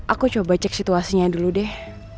aku coba cek situasinya dulu deh